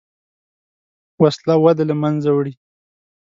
وسله وده له منځه وړي